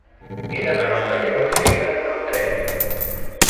He d'anar al carrer del Segre amb tren.